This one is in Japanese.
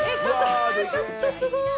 ちょっとすごい。